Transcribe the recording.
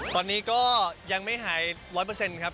ตอนนี้ก็ยังไม่หาย๑๐๐ครับ